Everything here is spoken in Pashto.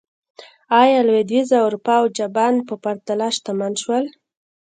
ایا لوېدیځه اروپا او جاپان په پرتله شتمن شول.